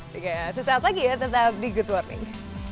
oke sesaat lagi ya tetap di good morning